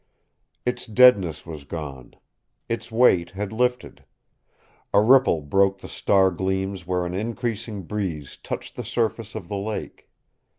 Its deadness was gone. Its weight had lifted. A ripple broke the star gleams where an increasing breeze touched the surface of the lake.